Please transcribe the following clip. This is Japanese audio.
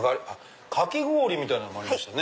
かき氷みたいなのもありましたね。